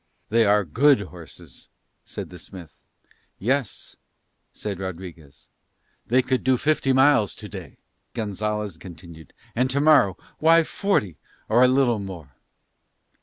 "They are good horses," said the smith. "Yes," said Rodriguez. "They could do fifty miles to day," Gonzalez continued, "and to morrow, why, forty, or a little more."